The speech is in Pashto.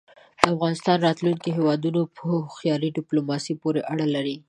د افغانستان راتلونکی د هېواد په هوښیاره دیپلوماسۍ پورې اړه لري.